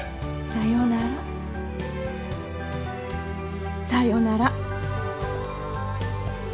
「さよなら、さよなら！」。